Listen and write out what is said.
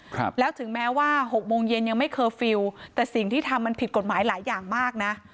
ครับแล้วถึงแม้ว่าหกโมงเย็นยังไม่เคอร์ฟิลล์แต่สิ่งที่ทำมันผิดกฎหมายหลายอย่างมากน่ะ